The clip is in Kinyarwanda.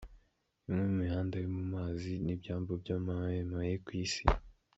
Imwe mu mihanda yo mu mazi n’ibyambu byamamaye ku isi.